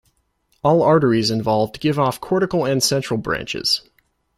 All arteries involved give off cortical and central branches.